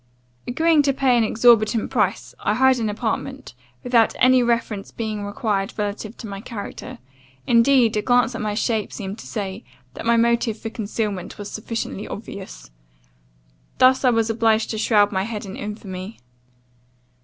"Agreeing to pay an exorbitant price, I hired an apartment, without any reference being required relative to my character: indeed, a glance at my shape seemed to say, that my motive for concealment was sufficiently obvious. Thus was I obliged to shroud my head in infamy.